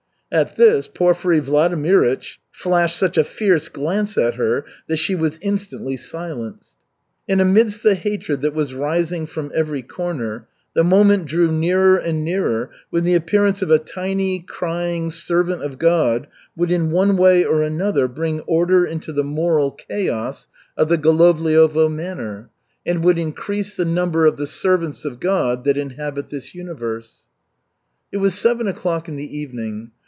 At this Porfiry Vladimirych flashed such a fierce glance at her that she was instantly silenced. And amidst the hatred that was rising from every corner, the moment drew nearer and nearer when the appearance of a tiny, crying, "servant of God" would in one way or another bring order into the moral chaos of the Golovliovo manor, and would increase the number of the "servants of God" that inhabit this universe. It was seven o'clock in the evening.